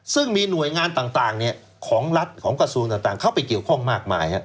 ซึ่งมีหน่วยงานต่างของรัฐของกระทรวงต่างเข้าไปเกี่ยวข้องมากมาย